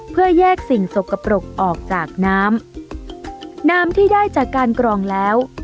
เพื่อแยกสิ่งสกปรกออกจากน้ำน้ำที่ได้จากการกรองแล้ว